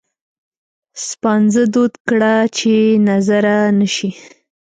سپانځه دود کړه چې نظره نه شي.